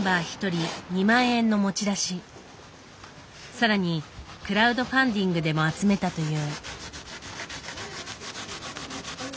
更にクラウドファンディングでも集めたという。